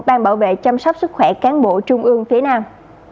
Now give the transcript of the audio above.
ban bảo vệ chăm sóc sức khỏe cán bộ trung ương phía nam